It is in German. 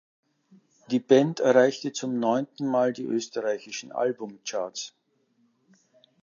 Die Band erreichte zum neunten Mal die österreichischen Albumcharts.